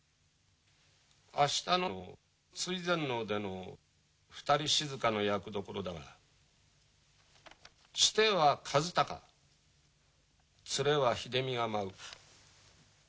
明日の追善能での『二人静』の役どころだがシテは和鷹ツレは秀美が舞う。